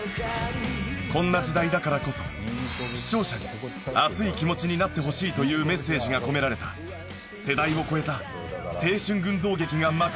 こんな時代だからこそ視聴者に熱い気持ちになってほしいというメッセージが込められた世代を超えた青春群像劇が幕を開けた